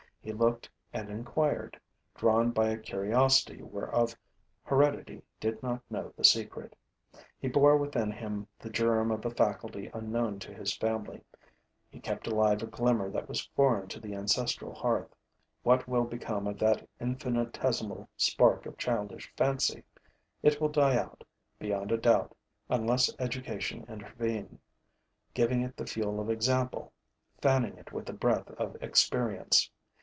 He looked and inquired, drawn by a curiosity whereof heredity did not know the secret. He bore within him the germ of a faculty unknown to his family; he kept alive a glimmer that was foreign to the ancestral hearth. What will become of that infinitesimal spark of childish fancy? It will die out, beyond a doubt, unless education intervene, giving it the fuel of example, fanning it with the breath of experience.